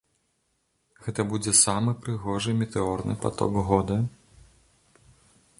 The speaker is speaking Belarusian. Гэта будзе самы прыгожы метэорны паток года.